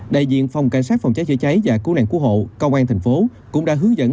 đại diện phòng cảnh sát phòng cháy chữa cháy và cứu nạn cứu hộ công an thành phố cũng đã hướng dẫn